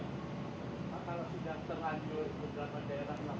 pak kalau sudah selanjutnya daerah dilakukan hal yang berbeda